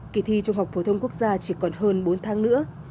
kỳ thi trung học phổ thông quốc gia chỉ còn hơn bốn tháng nữa